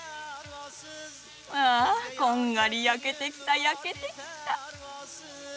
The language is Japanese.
ああこんがり焼けてきた焼けてきた。